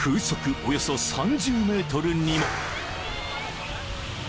およそ３０メートルにも］